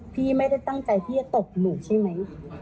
พี่ไม่ได้ตั้งใจที่จะตบหนูใช่ไหม